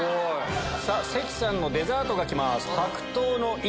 さぁ関さんのデザートがきます。